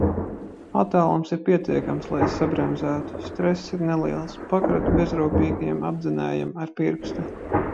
Attālums ir pietiekams, lai es sabremzētu, stress ir neliels, pakratu bezrūpīgajam apdzinējam ar pirkstu...